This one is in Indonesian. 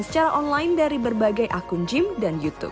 secara online dari berbagai akun gym dan youtube